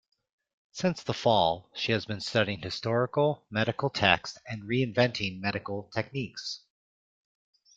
Since The Fall, she has been studying historical medical texts and re-inventing medical techniques.